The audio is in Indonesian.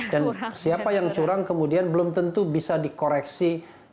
dan siapa yang curang kemudian belum tentu bisa dikoreksi